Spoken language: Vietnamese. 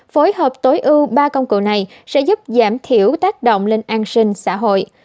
phối hợp tối ưu ba công cụ này sẽ giúp giảm thiểu tác động lên an sinh xã hội